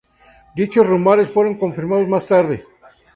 Dichos rumores fueron confirmados más tarde.